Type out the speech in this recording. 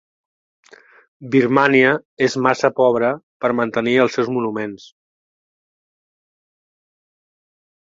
Birmània és massa pobra per a mantenir els seus monuments.